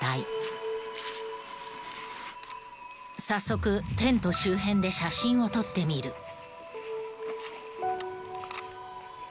早速テント周辺で写真を撮ってみる